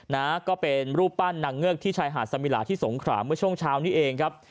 นะก็เป็นรูปปั้นนางเงือกที่ชายหาดสมิลาที่สงขราเมื่อช่วงเช้านี้เองครับ